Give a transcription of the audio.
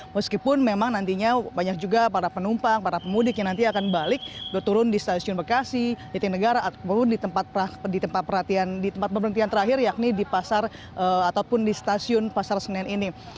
meskipun memang nantinya banyak juga para penumpang para pemudik yang nanti akan balik berturun di stasiun bekasi jatinegara ataupun di tempat perhatian di tempat pemberhentian terakhir yakni di pasar ataupun di stasiun pasar senen ini